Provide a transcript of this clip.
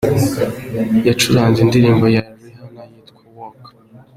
Yacuranze indirimbo ya Rihanna yitwa ‘Work’.